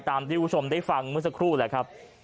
คุณผู้ชมได้ฟังเมื่อสักครู่แหละครับ